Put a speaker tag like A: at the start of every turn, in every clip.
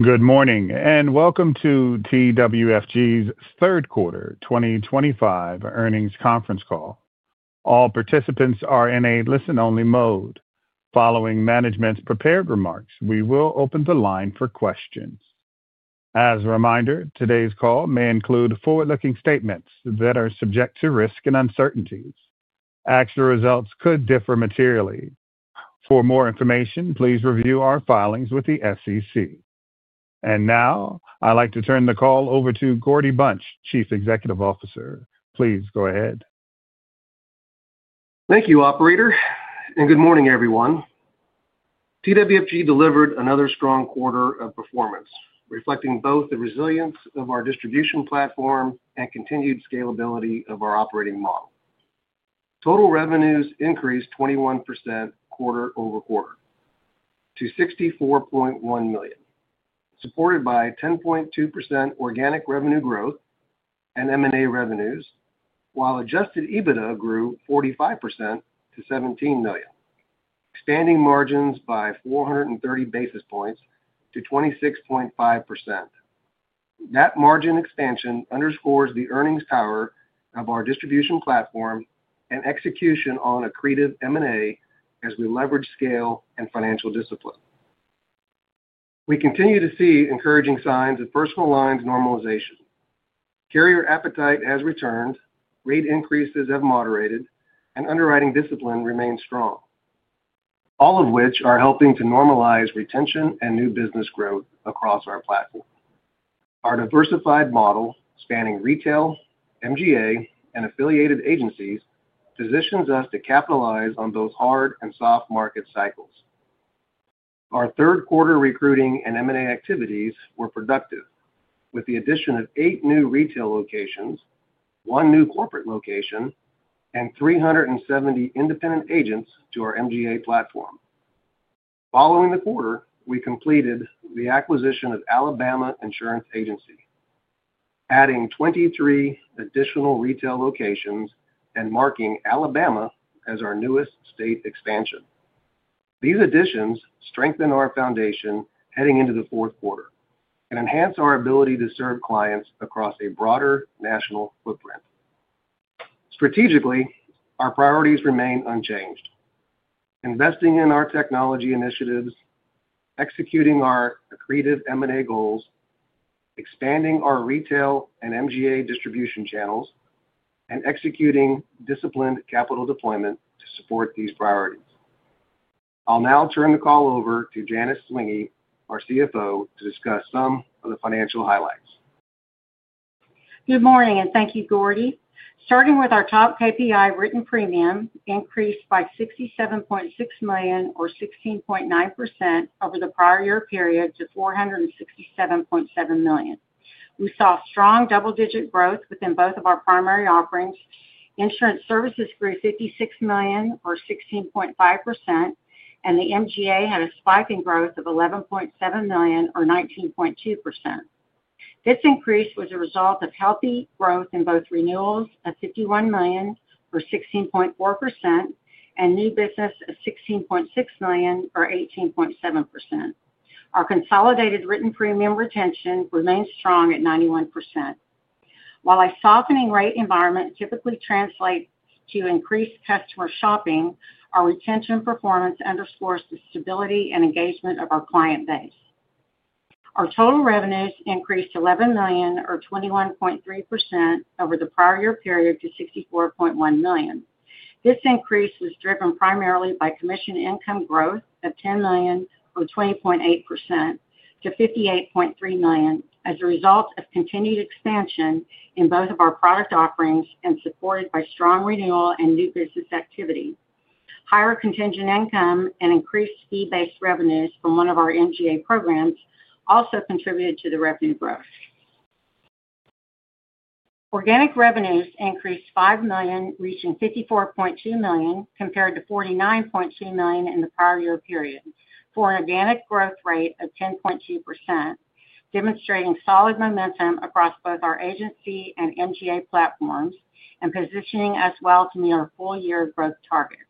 A: Good morning, and welcome to TWFG's Third Quarter 2025 Earnings Conference Call. All participants are in a listen-only mode. Following management's prepared remarks, we will open the line for questions. As a reminder, today's call may include forward-looking statements that are subject to risk and uncertainties. Actual results could differ materially. For more information, please review our filings with the SEC. And now, I'd like to turn the call over to Gordy Bunch, Chief Executive Officer. Please go ahead.
B: Thank you, Operator, and good morning, everyone. TWFG delivered another strong quarter of performance, reflecting both the resilience of our distribution platform and continued scalability of our operating model. Total revenues increased 21% quarter-over-quarter to $64.1 million, supported by 10.2% organic revenue growth and M&A revenues, while adjusted EBITDA grew 45% to $17 million, expanding margins by 430 basis points to 26.5%. That margin expansion underscores the earnings power of our distribution platform and execution on accretive M&A as we leverage scale and financial discipline. We continue to see encouraging signs of personal lines normalization. Carrier appetite has returned, rate increases have moderated, and underwriting discipline remains strong, all of which are helping to normalize retention and new business growth across our platform. Our diversified model, spanning retail, MGA, and affiliated agencies, positions us to capitalize on both hard and soft market cycles. Our third-quarter recruiting and M&A activities were productive, with the addition of eight new retail locations, one new corporate location, and 370 independent agents to our MGA platform. Following the quarter, we completed the acquisition of Alabama Insurance Agency, adding 23 additional retail locations and marking Alabama as our newest state expansion. These additions strengthen our foundation heading into the fourth quarter and enhance our ability to serve clients across a broader national footprint. Strategically, our priorities remain unchanged: investing in our technology initiatives, executing our accretive M&A goals, expanding our retail and MGA distribution channels, and executing disciplined capital deployment to support these priorities. I'll now turn the call over to Janice Zwinggi, our CFO, to discuss some of the financial highlights.
C: Good morning, and thank you, Gordy. Starting with our top KPI, written premium increased by $67.6 million, or 16.9%, over the prior year period to $467.7 million. We saw strong double-digit growth within both of our primary offerings. Insurance services grew $56 million, or 16.5%, and the MGA had a spike in growth of $11.7 million, or 19.2%. This increase was a result of healthy growth in both renewals of $51 million, or 16.4%, and new business of $16.6 million, or 18.7%. Our consolidated written premium retention remained strong at 91%. While a softening rate environment typically translates to increased customer shopping, our retention performance underscores the stability and engagement of our client base. Our total revenues increased $11 million, or 21.3%, over the prior year period to $64.1 million. This increase was driven primarily by commission income growth of $10 million, or 20.8%, to $58.3 million as a result of continued expansion in both of our product offerings and supported by strong renewal and new business activity. Higher contingent income and increased Fee-based revenues from one of our MGA programs also contributed to the revenue growth. Organic revenues increased $5 million, reaching $54.2 million compared to $49.2 million in the prior year period, for an organic growth rate of 10.2%, demonstrating solid momentum across both our agency and MGA platforms and positioning us well to meet our full-year growth targets.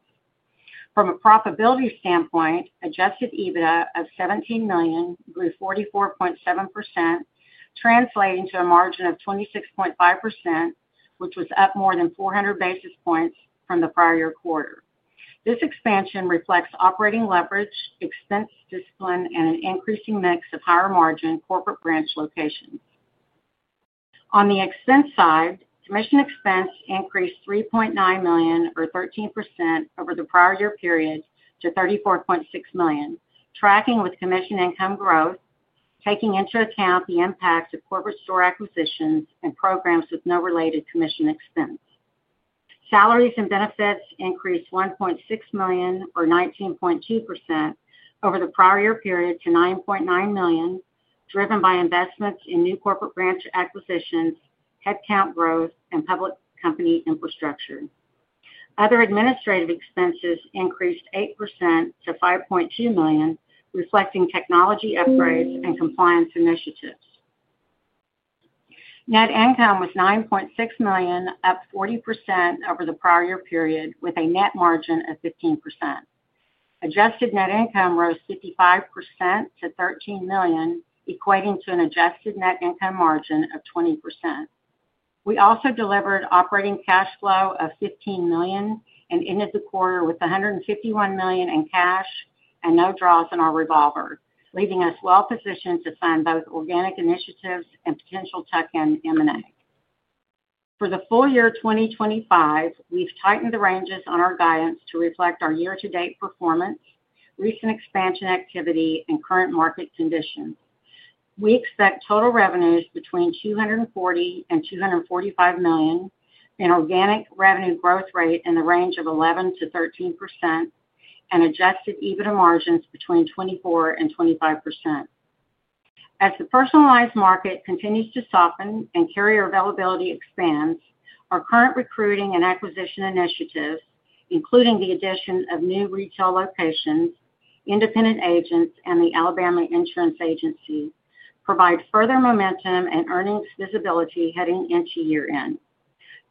C: From a profitability standpoint, adjusted EBITDA of $17 million grew 44.7%, translating to a margin of 26.5%, which was up more than 400 basis points from the prior year quarter. This expansion reflects operating leverage, expense discipline, and an increasing mix of higher-margin corporate branch locations. On the expense side, commission expense increased $3.9 million, or 13%, over the prior year period to $34.6 million, tracking with commission income growth, taking into account the impact of corporate store acquisitions and programs with no related commission expense. Salaries and benefits increased $1.6 million, or 19.2%, over the prior year period to $9.9 million, driven by investments in new corporate branch acquisitions, headcount growth, and public company infrastructure. Other administrative expenses increased 8% to $5.2 million, reflecting technology upgrades and compliance initiatives. Net income was $9.6 million, up 40% over the prior year period, with a net margin of 15%. Adjusted net income rose 55% to $13 million, equating to an adjusted net income margin of 20%. We also delivered operating cash flow of $15 million and ended the quarter with $151 million in cash and no draws in our revolver, leaving us well-positioned to sign both organic initiatives and potential tuck-in M&A. For the full year 2025, we've tightened the ranges on our guidance to reflect our year-to-date performance, recent expansion activity, and current market conditions. We expect total revenues between $240 million-$245 million, an organic revenue growth rate in the range of 11%-13%, and adjusted EBITDA margins between 24% and 25%. As the personal lines market continues to soften and carrier availability expands, our current recruiting and acquisition initiatives, including the addition of new retail locations, independent agents, and the Alabama Insurance Agency, provide further momentum and earnings visibility heading into year-end.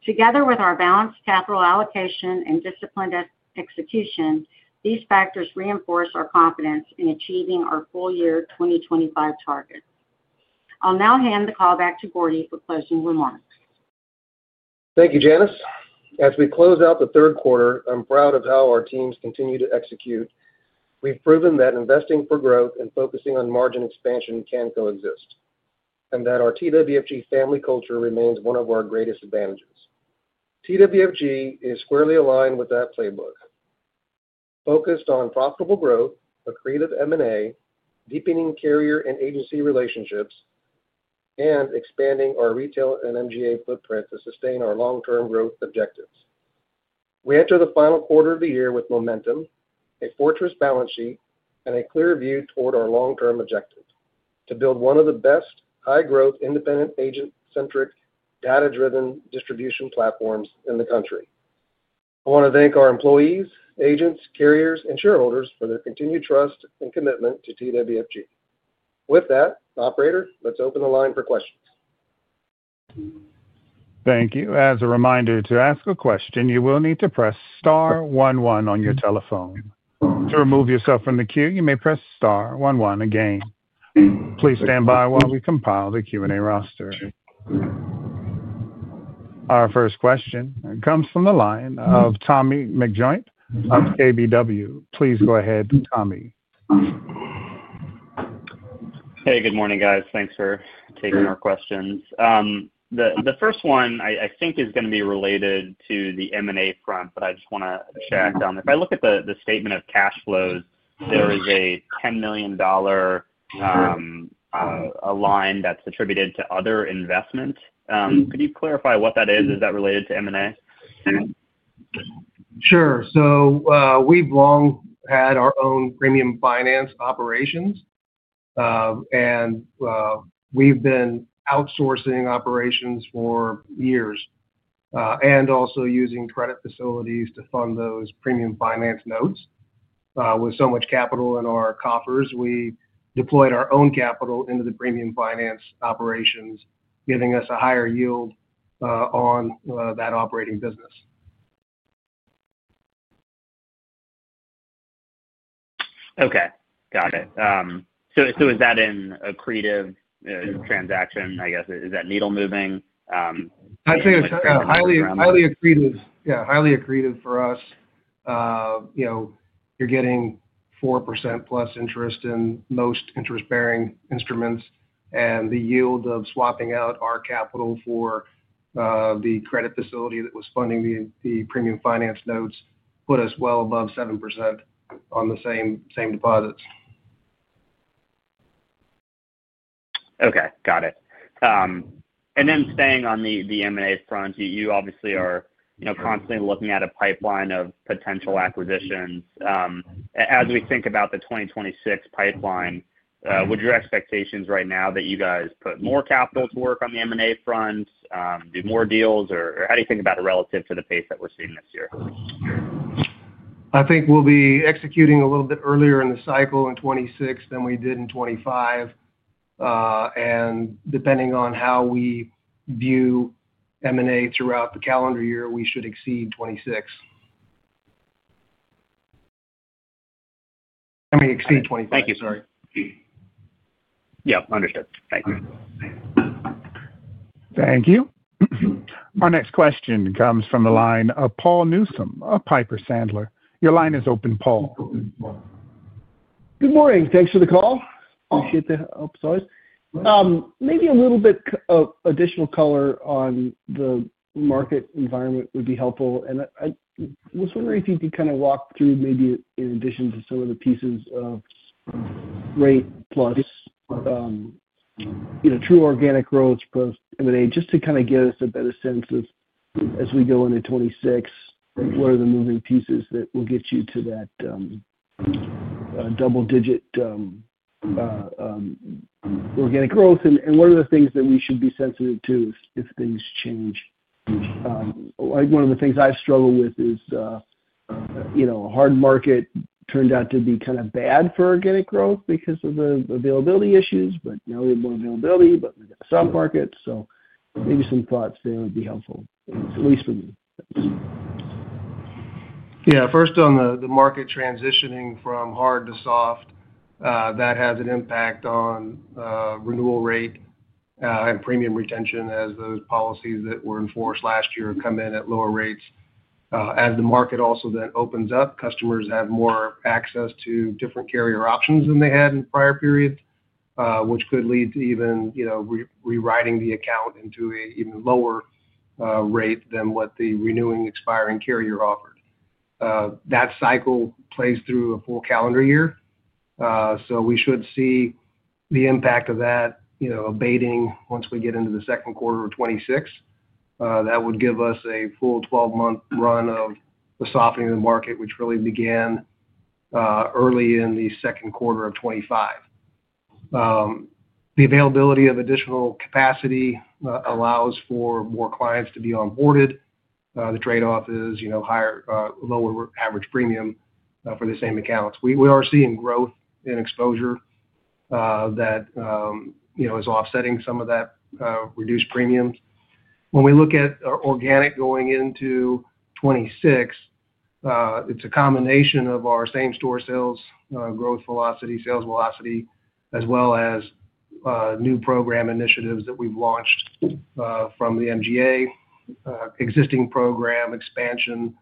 C: Together with our balanced capital allocation and disciplined execution, these factors reinforce our confidence in achieving our full-year 2025 targets. I'll now hand the call back to Gordy for closing remarks.
B: Thank you, Janice. As we close out the third quarter, I'm proud of how our teams continue to execute. We've proven that investing for growth and focusing on margin expansion can coexist, and that our TWFG family culture remains one of our greatest advantages. TWFG is squarely aligned with that playbook, focused on profitable growth, accretive M&A, deepening carrier and agency relationships, and expanding our retail and MGA footprint to sustain our long-term growth objectives. We enter the final quarter of the year with momentum, a fortress balance sheet, and a clear view toward our long-term objective: to build one of the best high-growth, independent agent-centric, data-driven distribution platforms in the country. I want to thank our employees, agents, carriers, and shareholders for their continued trust and commitment to TWFG. With that, Operator, let's open the line for questions.
A: Thank you. As a reminder, to ask a question, you will need to press star one one on your telephone. To remove yourself from the queue, you may press star one one again. Please stand by while we compile the Q&A roster. Our first question comes from the line of Tommy McJoynt of KBW. Please go ahead, Tommy.
D: Hey, good morning, guys. Thanks for taking our questions. The first one, I think, is going to be related to the M&A front, but I just want to check. If I look at the statement of cash flows, there is a $10 million line that's attributed to other investments. Could you clarify what that is? Is that related to M&A?
B: Sure. We've long had our own Premium Finance operations, and we've been outsourcing operations for years and also using credit facilities to fund those Premium Finance Notes. With so much capital in our coffers, we deployed our own capital into the Premium Finance operations, giving us a higher yield on that operating business.
D: Okay. Got it. So is that an accretive transaction? I guess, is that needle-moving.
B: I'd say it's highly accretive. Yeah, highly accretive for us. You're getting 4%+ interest in most interest-bearing instruments, and the yield of swapping out our capital for the credit facility that was funding the Premium Finance notes put us well above 7% on the same deposits.
D: Okay. Got it. Then staying on the M&A front, you obviously are constantly looking at a pipeline of potential acquisitions. As we think about the 2026 pipeline, what are your expectations right now? That you guys put more capital to work on the M&A front, do more deals, or how do you think about it relative to the pace that we're seeing this year?
B: I think we'll be executing a little bit earlier in the cycle in 2026 than we did in 2025. Depending on how we view M&A throughout the calendar year, we should exceed 2026. I mean, exceed 2025. Thank you. Sorry.
D: Yep. Understood. Thank you.
A: Thank you. Our next question comes from the line of Paul Newsome at Piper Sandler. Your line is open, Paul.
E: Good morning. Thanks for the call. Appreciate the—sorry. Maybe a little bit of additional color on the market environment would be helpful. I was wondering if you could kind of walk through, maybe in addition to some of the pieces of rate-plus, true organic growth plus M&A, just to kind of give us a better sense of, as we go into 2026, what are the moving pieces that will get you to that double-digit organic growth, and what are the things that we should be sensitive to if things change? One of the things I've struggled with is a hard market turned out to be kind of bad for organic growth because of the availability issues, but now we have more availability, but we've got a soft market. Maybe some thoughts there would be helpful, at least for me.
B: Yeah. First, on the market transitioning from hard to soft, that has an impact on renewal rate and premium retention as those policies that were in force last year come in at lower rates. As the market also then opens up, customers have more access to different carrier options than they had in prior periods, which could lead to even rewriting the account into an even lower rate than what the renewing expiring carrier offered. That cycle plays through a full calendar year. We should see the impact of that abating once we get into the second quarter of 2026. That would give us a full 12-month run of the softening of the market, which really began early in the second quarter of 2025. The availability of additional capacity allows for more clients to be onboarded. The trade-off is lower average premium for the same accounts. We are seeing growth in exposure that is offsetting some of that reduced premiums. When we look at organic going into 2026, it is a combination of our same-store sales growth velocity, sales velocity, as well as new program initiatives that we have launched from the MGA, existing program expansion,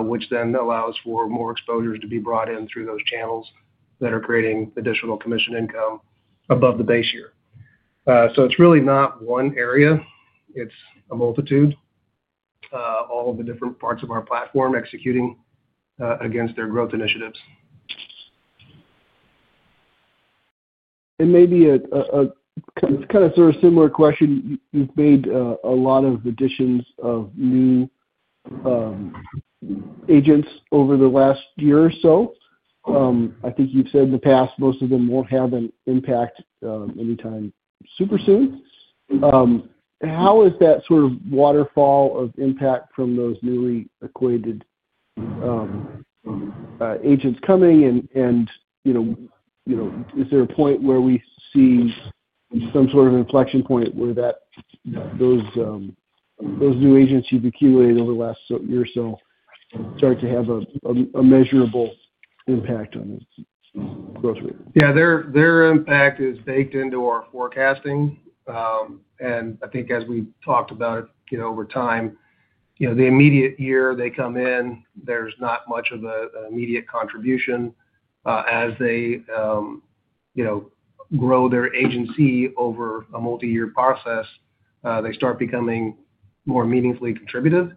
B: which then allows for more exposures to be brought in through those channels that are creating additional commission income above the base year. It is really not one area. It is a multitude, all of the different parts of our platform executing against their growth initiatives.
E: Maybe a kind of similar question. You've made a lot of additions of new agents over the last year or so. I think you've said in the past, most of them won't have an impact anytime super soon. How is that sort of waterfall of impact from those newly acquainted agents coming? Is there a point where we see some sort of inflection point where those new agents you've accumulated over the last year or so start to have a measurable impact on the growth rate?
B: Yeah. Their impact is baked into our forecasting. I think, as we talked about it over time, the immediate year they come in, there's not much of an immediate contribution. As they grow their agency over a multi-year process, they start becoming more meaningfully contributive.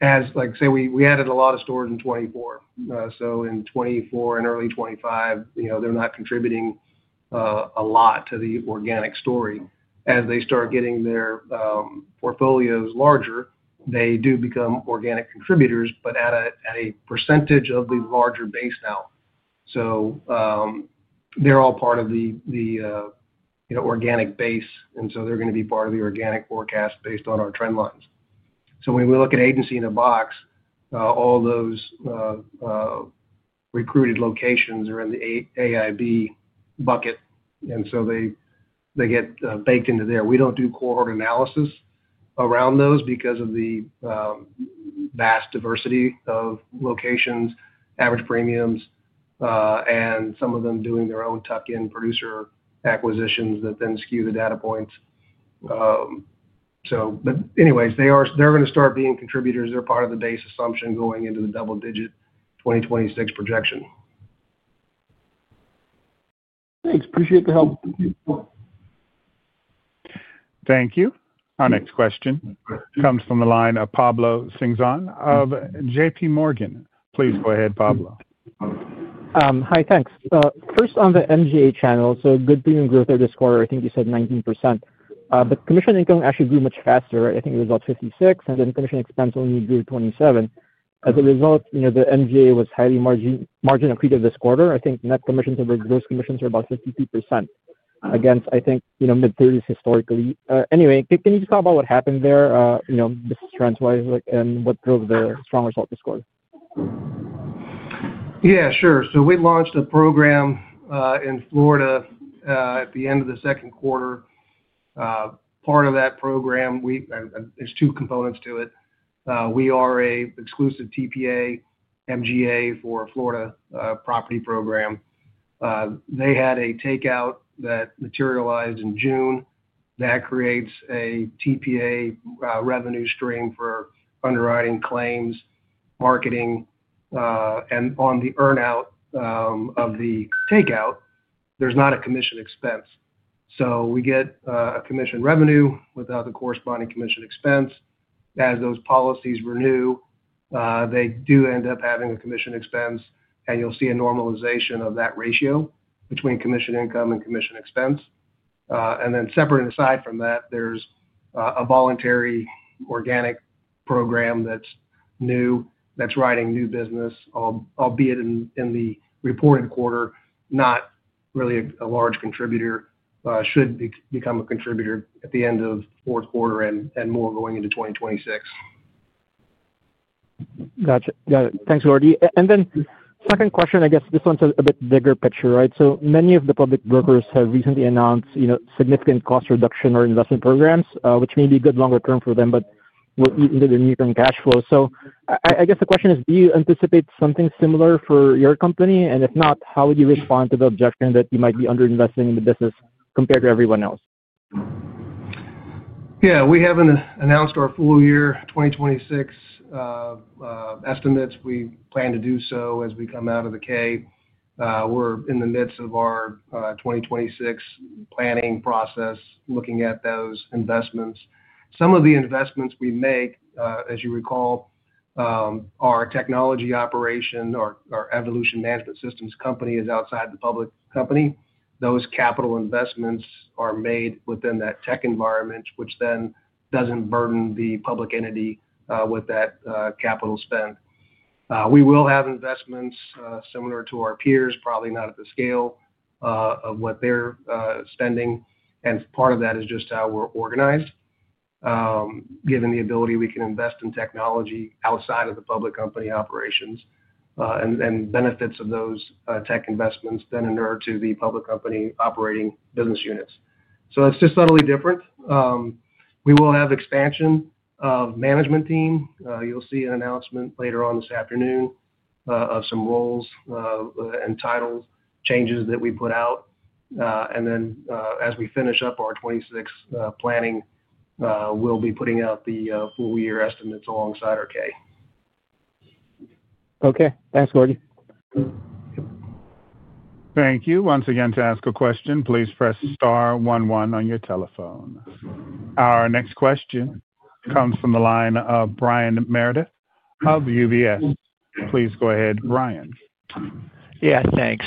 B: Now, like I say, we added a lot of stores in 2024. In 2024 and early 2025, they're not contributing a lot to the organic story. As they start getting their portfolios larger, they do become organic contributors, but at a percentage of the larger base now. They're all part of the organic base, and they're going to be part of the organic forecast based on our trend lines. When we look at Agency-in-a-Box, all those recruited locations are in the AIB bucket, and they get baked into there. We don't do cohort analysis around those because of the vast diversity of locations, average premiums, and some of them doing their own tuck-in producer acquisitions that then skew the data points. Anyways, they're going to start being contributors. They're part of the base assumption going into the double-digit 2026 projection.
E: Thanks. Appreciate the help.
A: Thank you. Our next question comes from the line of Pablo Singzon of JPMorgan. Please go ahead, Pablo.
F: Hi. Thanks. First, on the MGA channel, so good premium growth this quarter, I think you said 19%. But commission income actually grew much faster. I think it was about 56%, and then commission expense only grew 27%. As a result, the MGA was highly margin-accretive this quarter. I think net commissions over gross commissions were about 52% against, I think, mid-30s historically. Anyway, can you just talk about what happened there, just trends-wise, and what drove the strong result this quarter?
B: Yeah, sure. We launched a program in Florida at the end of the second quarter. Part of that program, there are two components to it. We are an exclusive TPA MGA for a Florida property program. They had a takeout that materialized in June. That creates a TPA revenue stream for underwriting claims, marketing, and on the earnout of the takeout, there is not a commission expense. So we get a commission revenue without the corresponding commission expense. As those policies renew, they do end up having a commission expense, and you will see a normalization of that ratio between commission income and commission expense. And separate and aside from that, there is a voluntary organic program that is new that is writing new business, albeit in the reported quarter, not really a large contributor, should become a contributor at the end of the fourth quarter and more going into 2026.
F: Gotcha. Got it. Thanks, Gordy. Second question, I guess this one's a bit bigger picture, right? So many of the public brokers have recently announced significant cost reduction or investment programs, which may be good longer term for them, but will eat into their near-term cash flow. I guess the question is, do you anticipate something similar for your company? If not, how would you respond to the objection that you might be underinvesting in the business compared to everyone else?
B: Yeah. We have not announced our full-year 2026 estimates. We plan to do so as we come out of the K. We are in the midst of our 2026 planning process, looking at those investments. Some of the investments we make, as you recall, our technology operation, our evolution management systems company is outside the public company. Those capital investments are made within that tech environment, which then does not burden the public entity with that capital spend. We will have investments similar to our peers, probably not at the scale of what they are spending. Part of that is just how we are organized, given the ability we can invest in technology outside of the public company operations and benefits of those tech investments then in order to the public company operating business units. It is just subtly different. We will have expansion of management team. You'll see an announcement later on this afternoon of some roles and title changes that we put out. As we finish up our 2026 planning, we'll be putting out the full-year estimates alongside our K.
F: Okay. Thanks, Gordy.
A: Thank you. Once again, to ask a question, please press star one one on your telephone. Our next question comes from the line of Brian Meredith of UBS. Please go ahead, Brian.
G: Yeah. Thanks.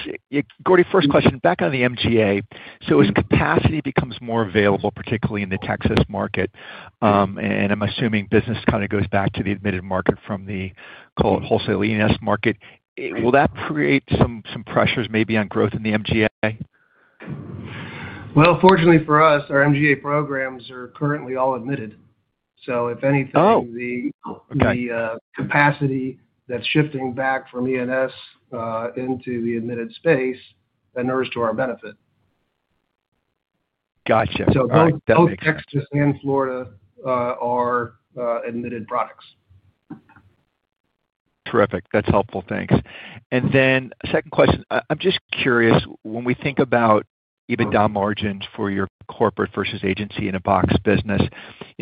G: Gordy, first question. Back on the MGA. As capacity becomes more available, particularly in the Texas market, and I'm assuming business kind of goes back to the admitted market from the wholesale market, will that create some pressures maybe on growth in the MGA?
B: Well fortunately for us, our MGA programs are currently all admitted. So if anything, the capacity that's shifting back from E&S into the admitted space is to our benefit.
G: Gotcha. Okay.
B: Both Texas and Florida are admitted products.
G: Terrific. That's helpful. Thanks. Then second question, I'm just curious, when we think about EBITDA margins for your Corporate versus Agency-in-a-Box business,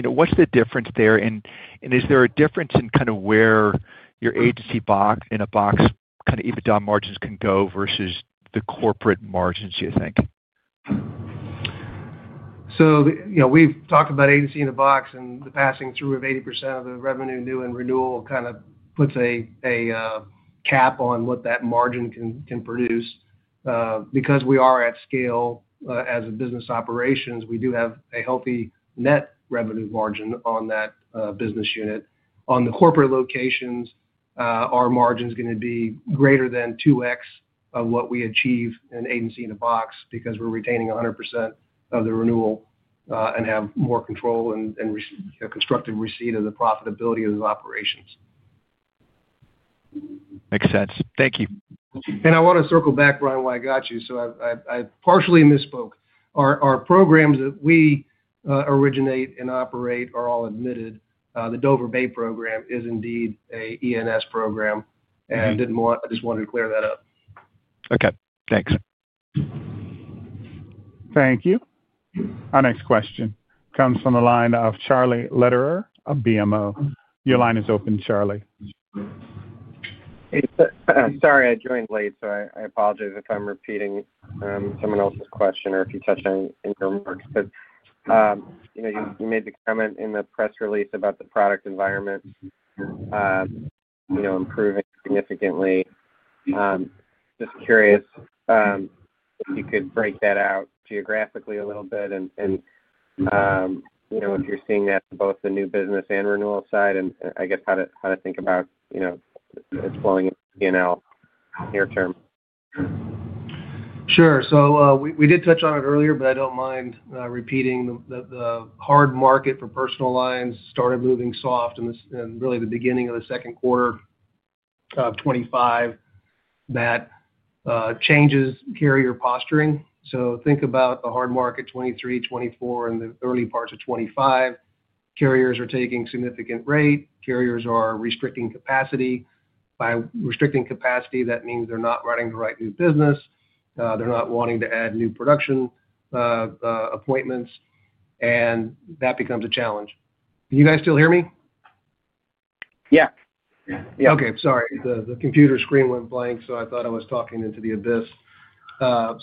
G: what's the difference there? Is there a difference in kind of where your Agency-in-a-Box kind of EBITDA margins can go versus the corporate margins, do you think?
B: We've talked about Agency-in-a-Box, and the passing through of 80% of the revenue new and renewal kind of puts a cap on what that margin can produce. Because we are at scale as a business operations, we do have a healthy net revenue margin on that business unit. On the corporate locations, our margin's going to be greater than 2x of what we achieve in Agency-in-a-Box because we're retaining 100% of the renewal and have more control and constructive receipt of the profitability of those operations.
G: Makes sense. Thank you.
B: I want to circle back, Brian, where I got you. I partially misspoke. Our programs that we originate and operate are all admitted. The Dover Bay program is indeed an E&S program, and I just wanted to clear that up.
G: Okay. Thanks.
A: Thank you. Our next question comes from the line of Charlie Lederer of BMO. Your line is open, Charlie.
H: Sorry, I joined late, so I apologize if I'm repeating someone else's question or if you touched on it in your remarks. You made the comment in the press release about the product environment improving significantly. Just curious if you could break that out geographically a little bit, and if you're seeing that for both the new business and renewal side, and I guess how to think about it flowing into P&L near term.
B: Sure. We did touch on it earlier, but I do not mind repeating. The hard market for personal lines started moving soft in really the beginning of the second quarter of 2025. That changes carrier posturing. Think about the hard market in 2023, 2024, and the early parts of 2025. Carriers are taking significant rate. Carriers are restricting capacity. By restricting capacity, that means they are not running the right new business. They are not wanting to add new production appointments, and that becomes a challenge. Can you guys still hear me?
H: Yeah. Yeah.
B: Okay. Sorry. The computer screen went blank, so I thought I was talking into the abyss.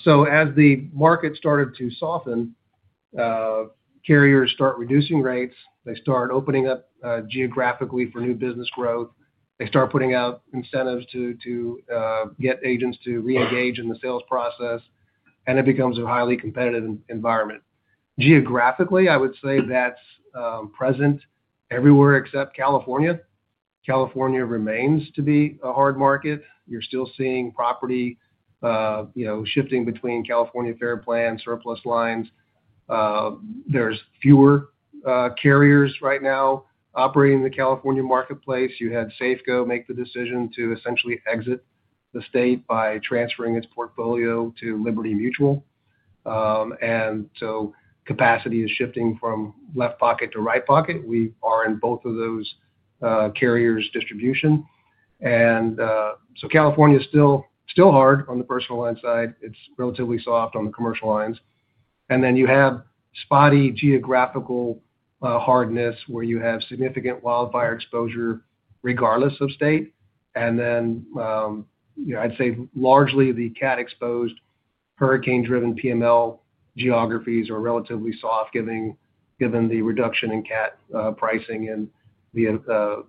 B: So as the market started to soften, carriers start reducing rates. They start opening up geographically for new business growth. They start putting out incentives to get agents to re-engage in the sales process, and it becomes a highly competitive environment. Geographically, I would say that's present everywhere except California. California remains to be a hard market. You're still seeing property shifting between California FAIR Plan, surplus lines. There's fewer carriers right now operating in the California marketplace. You had Safeco make the decision to essentially exit the state by transferring its portfolio to Liberty Mutual. And so capacity is shifting from left pocket to right pocket. We are in both of those carriers' distribution. And so California is still hard on the personal line side. It's relatively soft on the commercial lines. You have spotty geographical hardness where you have significant wildfire exposure regardless of state. I would say largely the CAT-exposed hurricane-driven P&L geographies are relatively soft, given the reduction in CAT pricing and the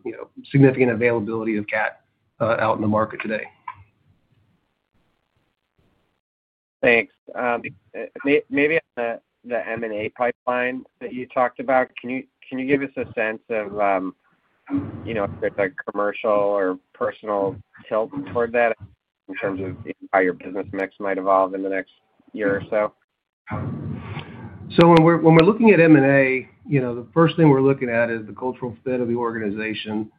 B: significant availability of CAT out in the market today.
H: Thanks. Maybe on the M&A pipeline that you talked about, can you give us a sense of if there's a commercial or personal tilt toward that in terms of how your business mix might evolve in the next year or so?
B: So when we're looking at M&A, the first thing we're looking at is the cultural fit of the organization.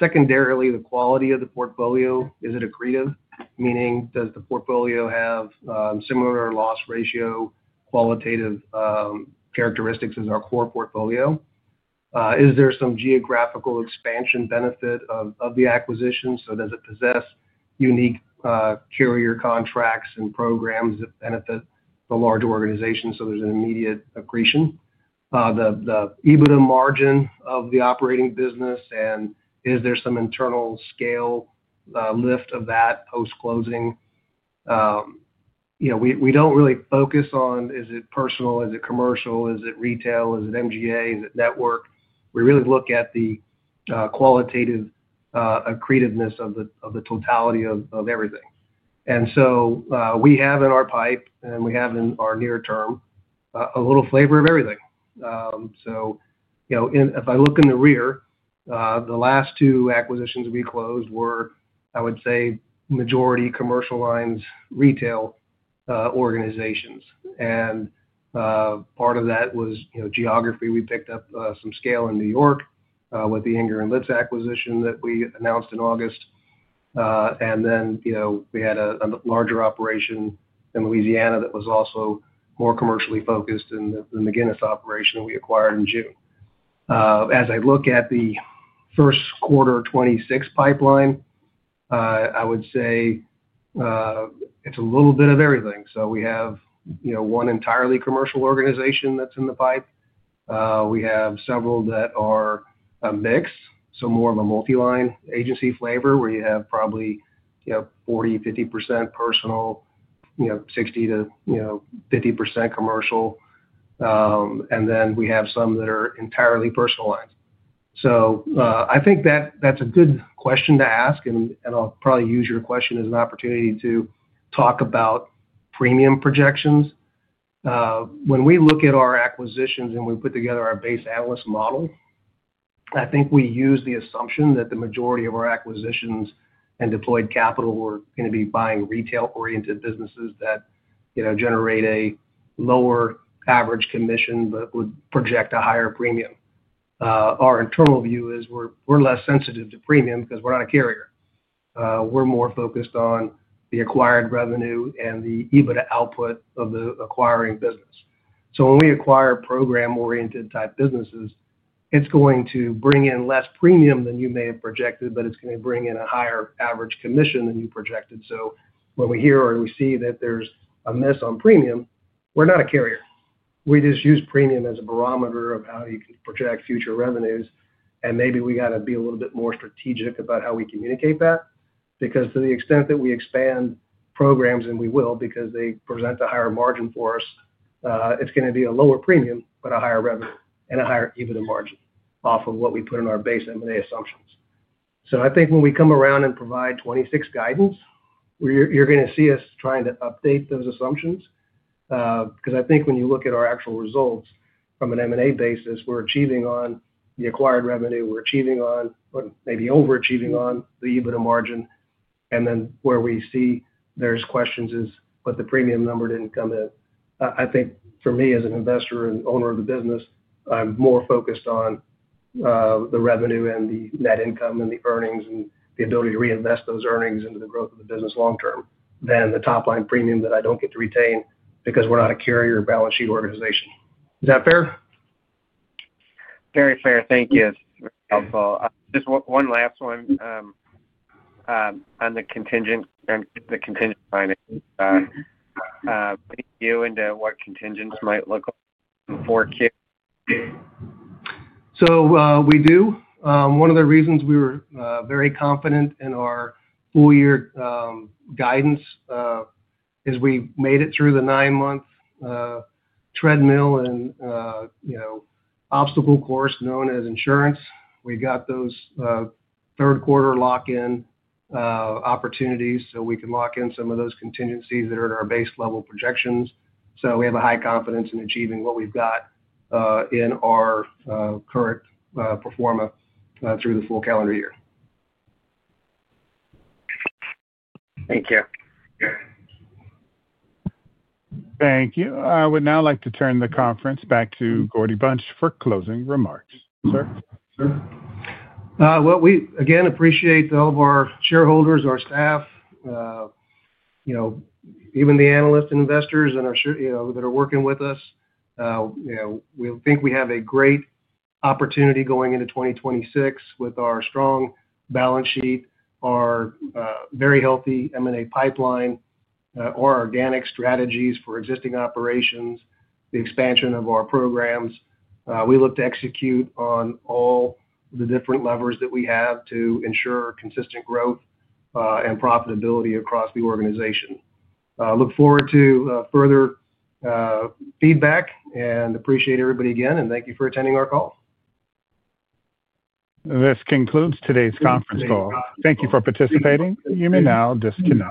B: Secondarily, the quality of the portfolio. Is it accretive? Meaning, does the portfolio have similar loss ratio qualitative characteristics as our core portfolio? Is there some geographical expansion benefit of the acquisition? Does it possess unique carrier contracts and programs that benefit the larger organization so there's an immediate accretion? The EBITDA margin of the operating business, and is there some internal scale lift of that post-closing? We do not really focus on, is it personal? Is it commercial? Is it retail? Is it MGA? Is it network? We really look at the qualitative accretiveness of the totality of everything. And so we have in our pipe, and we have in our near term, a little flavor of everything. So, if I look in the rear, the last two acquisitions we closed were, I would say, majority commercial lines retail organizations. And part of that was geography. We picked up some scale in New York with the Angers & Litz acquisition that we announced in August. We had a larger operation in Louisiana that was also more commercially focused in the McGuinness operation that we acquired in June. As I look at the first quarter 2026 pipeline, I would say it's a little bit of everything. We have one entirely commercial organization that's in the pipe. We have several that are a mix, so more of a multi-line agency flavor where you have probably 40%-50% personal, 60%-50% commercial. We have some that are entirely personal lines. So I think that's a good question to ask, and I'll probably use your question as an opportunity to talk about premium projections. When we look at our acquisitions and we put together our base analyst model, I think we use the assumption that the majority of our acquisitions and deployed capital were going to be buying retail-oriented businesses that generate a lower average commission but would project a higher premium. Our internal view is we're less sensitive to premium because we're not a carrier. We're more focused on the acquired revenue and the EBITDA output of the acquiring business. So when we acquire program-oriented type businesses, it's going to bring in less premium than you may have projected, but it's going to bring in a higher average commission than you projected. When we hear or we see that there's a miss on premium, we're not a carrier. We just use premium as a barometer of how you can project future revenues. Maybe we got to be a little bit more strategic about how we communicate that because to the extent that we expand programs, and we will because they present a higher margin for us, it is going to be a lower premium but a higher revenue and a higher EBITDA margin off of what we put in our base M&A assumptions. I think when we come around and provide 2026 guidance, you are going to see us trying to update those assumptions because I think when you look at our actual results from an M&A basis, we are achieving on the acquired revenue. We are achieving on or maybe overachieving on the EBITDA margin. And then where we see there are questions is, the premium number did not come in. I think for me as an investor and owner of the business, I'm more focused on the revenue and the net income and the earnings and the ability to reinvest those earnings into the growth of the business long-term than the top-line premium that I don't get to retain because we're not a carrier balance sheet organization. Is that fair?
H: Very fair. Thank you. It's helpful. Just one last one on the Contingent Financing. What do you do and what contingents might look like for Q?
B: We do. One of the reasons we were very confident in our full-year guidance is we made it through the nine-month treadmill and obstacle course known as insurance. We got those third-quarter lock-in opportunities so we can lock in some of those contingencies that are in our base-level projections. So we have a high confidence in achieving what we've got in our current performer through the full calendar year.
H: Thank you.
A: Thank you. I would now like to turn the conference back to Gordy Bunch for closing remarks. Sir.
B: We again appreciate all of our shareholders, our staff, even the analysts and investors that are working with us. We think we have a great opportunity going into 2026 with our strong balance sheet, our very healthy M&A pipeline, our organic strategies for existing operations, the expansion of our programs. We look to execute on all the different levers that we have to ensure consistent growth and profitability across the organization. We look forward to further feedback and appreciate everybody again, and thank you for attending our call.
A: This concludes today's conference call. Thank you for participating. You may now disconnect.